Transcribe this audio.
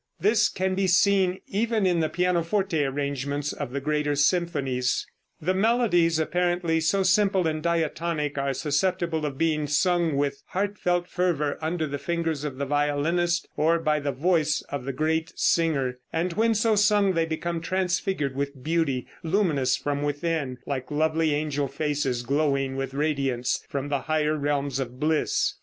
This can be seen even in the pianoforte arrangements of the greater symphonies. The melodies, apparently so simple and diatonic, are susceptible of being sung with heartfelt fervor under the fingers of the violinist, or by the voice of the great singer, and when so sung they become transfigured with beauty luminous from within, like lovely angel faces, glowing with radiance from the higher realms of bliss.